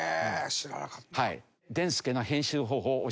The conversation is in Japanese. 知らなかった。